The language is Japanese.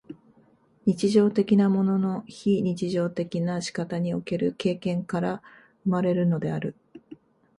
日常的なものの非日常的な仕方における経験から生まれるのである。